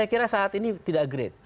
saya kira saat ini tidak terjadi yang baik